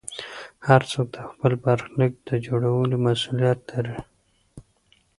هر څوک د خپل برخلیک د جوړولو مسوولیت لري.